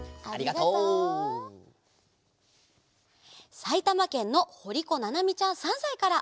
さいたまけんのほりこななみちゃん３さいから。